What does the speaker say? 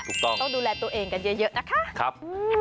ถูกต้องต้องดูแลตัวเองกันเยอะนะคะครับ